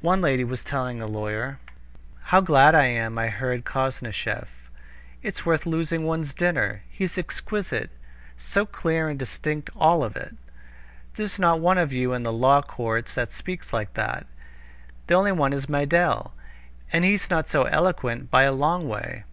One lady was telling a lawyer: "How glad I am I heard Koznishev! It's worth losing one's dinner. He's exquisite! So clear and distinct all of it! There's not one of you in the law courts that speaks like that. The only one is Meidel, and he's not so eloquent by a long way."